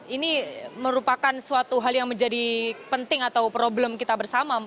ini merupakan suatu hal yang menjadi penting atau problem kita bersama